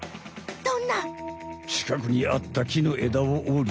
ちかくにあった木の枝を折り。